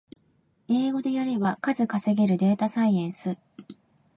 英語でやれば数稼げるデータサイエンス